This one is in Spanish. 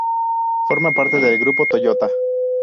Forma parte del grupo Toyota.